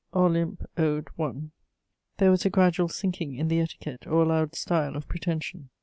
OLYMP. OD. I. there was a gradual sinking in the etiquette or allowed style of pretension.